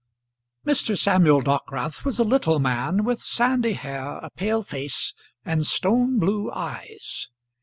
Mr. Samuel Dockwrath was a little man, with sandy hair, a pale face, and stone blue eyes.